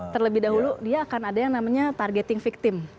terlebih dahulu dia akan ada yang namanya targeting victim